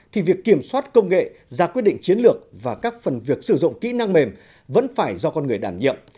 thì việc kiểm soát công nghệ ra quyết định chiến lược và các phần việc sử dụng kỹ năng mềm vẫn phải do con người đảm nhiệm